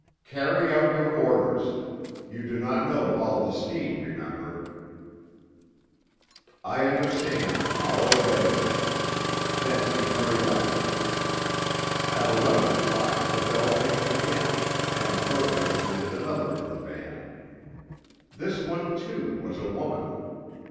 "Carry out your orders. You do not know all the scheme, remember." "I understand. I'll obey." Then she hurried out. At eleven o'clock the bell tinkled again, and Verbeck admitted another of the band. This one, too, was a woman.